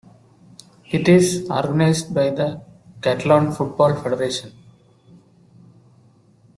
It is organised by the Catalan Football Federation.